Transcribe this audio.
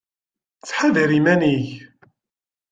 Ttḥadar iman-ik!